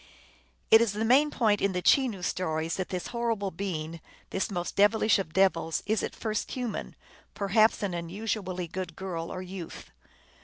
It is the main point in the Chenoo stories that this horrible being, this most devilish of devils, is at first human ; perhaps an unusually good girl, or youth.